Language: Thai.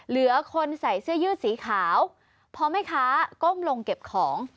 เหลือคนใส่เสื้อยืดสีขาวพอแม่ค้าก้มลงเก็บของ